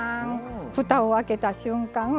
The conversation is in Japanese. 蓋を開けた瞬間